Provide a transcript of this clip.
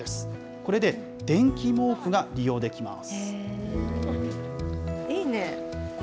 これで電気毛布が利用できます。